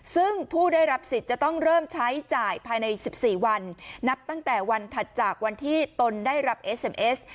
ซึ่งผู้ได้รับสิทธิ์จะต้องเริ่มใช้จ่ายภายใน๑๔วันนับตั้งแต่วันถัดจากวันที่ตนได้รับเอสเอ็มเอส